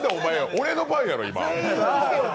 俺の番や、今。